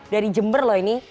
dari jember loh ini